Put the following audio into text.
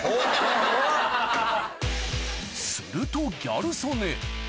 するとギャル曽根